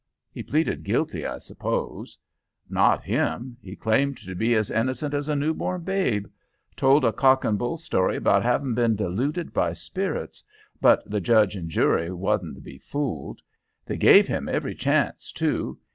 "He pleaded guilty, I suppose?" "Not him. He claimed to be as innocent as a new born babe. Told a cock and bull story about havin' been deluded by spirits, but the judge and jury wasn't to be fooled. They gave him every chance, too.